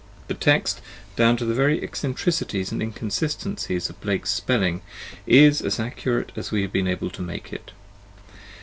The text, down to the very eccentricities and inconsistencies of Blake's spelling, is as accurate as we have been able to make it.